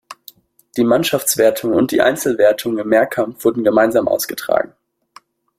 Die Mannschaftswertung und die Einzelwertung im Mehrkampf wurden gemeinsam ausgetragen.